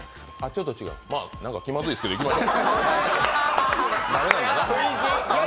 何か気まずいですけどいきましょう。